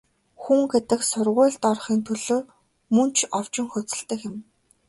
Хүн гэдэг сургуульд орохын төлөө мөн ч овжин хөөцөлдөх юм.